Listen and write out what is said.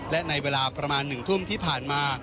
และในเวลาประมาณ๑ทุ่มที่ผ่านมา